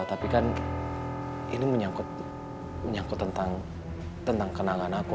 tapi kan ini menyangkut tentang kenangan aku